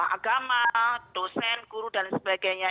agama dosen guru dan sebagainya